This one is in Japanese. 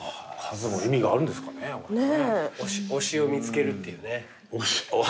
推しを見つけるっていうね。